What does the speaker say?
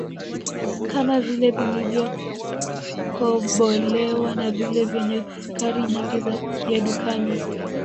kama vile vilivyokobolewa na vile vyenye sukari nyingi ya dukani